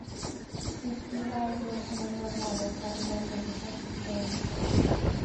Kristeva wrote a number of novels that resemble detective stories.